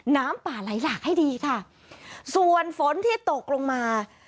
น้ำป่าไหลหลากให้ดีค่ะส่วนฝนที่ตกลงมา